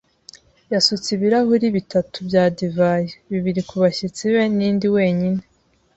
yasutse ibirahuri bitatu bya divayi, bibiri kubashyitsi be n'indi wenyine.